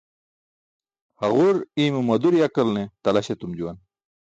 Haġure i̇ymo madur yakalne talaś etum juwan.